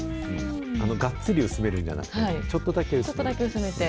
がっつり薄めるんじゃなくて、ちちょっとだけ薄めて。